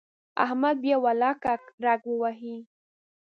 احمد بیا ولاکه رګ ووهي.